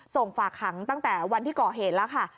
ส่งฝากขังตั้งแต่วันที่ก่อเหตุแล้วค่ะ